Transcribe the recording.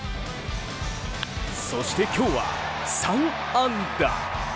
そして今日は３安打。